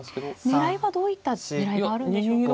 狙いはどういった狙いがあるんでしょうか。